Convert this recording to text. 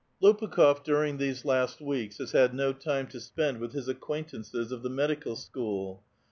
LopuKiiop during these last weeks has had no time to spend with his at quaintances of the medical school.